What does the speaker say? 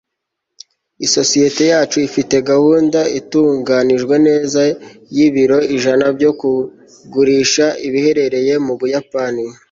isosiyete yacu ifite gahunda itunganijwe neza y'ibiro ijana byo kugurisha, biherereye mu buyapani